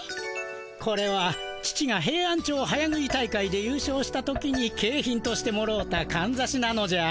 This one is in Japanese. これは父がヘイアンチョウ早食い大会でゆう勝した時にけい品としてもろうたかんざしなのじゃ。